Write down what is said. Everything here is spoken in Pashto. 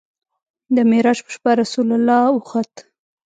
د معراج په شپه رسول الله وخوت.